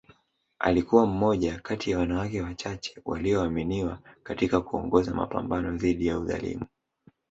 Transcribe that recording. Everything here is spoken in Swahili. Alikuwa mmoja kati ya wanawake wachache walioaminiwa katika kuongoza mapambano dhidi ya udhalimu